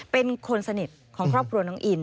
เป็นคนสนิทของครอบครัวน้องอิน